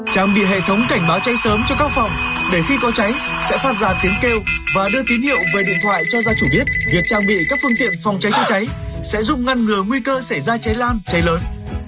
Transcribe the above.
trang bị hệ thống cảnh báo cháy sớm cho các phòng để khi có cháy sẽ phát ra tiếng kêu và đưa tín hiệu về điện thoại cho gia chủ biết việc trang bị các phương tiện phòng cháy chữa cháy sẽ giúp ngăn ngừa nguy cơ xảy ra cháy lan cháy lớn